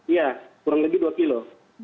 iya kurang lebih dua kilo